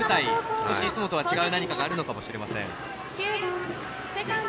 少し、いつもとは違う何かがあるのかもしれません。